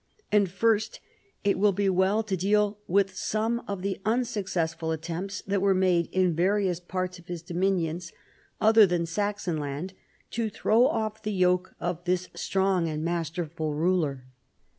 And first it will be well to deal with some of the unsuccessful attempts that were made in various parts of his dominions, other than Saxon land, to throw off the yoke of this strong and masterful ruler.